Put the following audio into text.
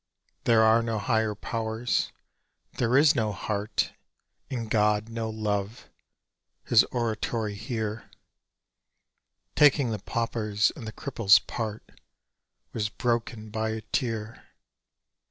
"There are no Higher Powers; there is no heart In God, no love"—his oratory here, Taking the paupers' and the cripples' part, Was broken by a tear.